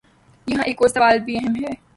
یہاں ایک اور سوال بھی اہم ہے۔